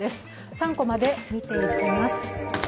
３コマで見ていきます。